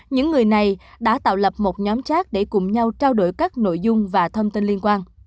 những người này đã tạo lập một nhóm gác để cùng nhau trao đổi các nội dung và thông tin liên quan